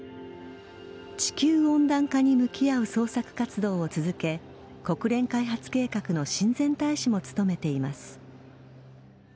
地球温暖化に向き合う創作活動を続け国連開発計画の親善大使も務めています。